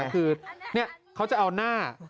คือเนี่ยเค้าจะเอาหน้า